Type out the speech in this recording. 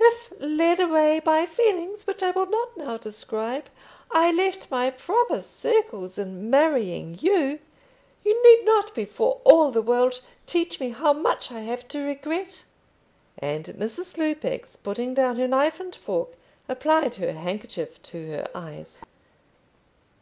If, led away by feelings which I will not now describe, I left my proper circles in marrying you, you need not before all the world teach me how much I have to regret." And Mrs. Lupex, putting down her knife and fork, applied her handkerchief to her eyes.